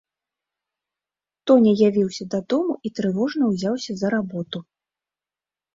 Тоня явіўся дадому і трывожна ўзяўся за работу.